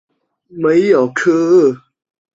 梅尔科厄。